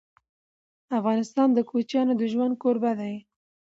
افغانستان د کوچیانو د ژوند کوربه دی.